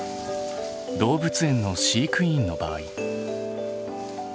動物園の飼育員の場合。